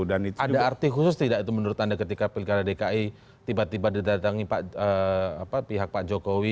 ada arti khusus tidak itu menurut anda ketika pilkada dki tiba tiba didatangi pihak pak jokowi